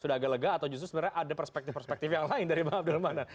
sudah agak lega atau justru sebenarnya ada perspektif perspektif yang lain dari bang abdul mana